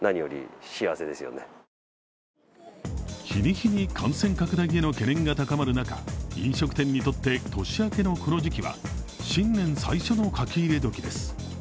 日に日に感染拡大への懸念が高まる中、飲食店にとって年明けのこの時期は新年最初の書き入れ時です。